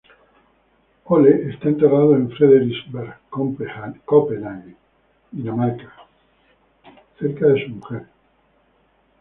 Ole está enterrado en Frederiksberg, Copenague, Dinamarca, cabe a su mujer.